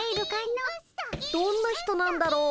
どんな人なんだろう。